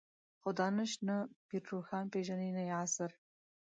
خو دانش نه پير روښان پېژني نه يې عصر.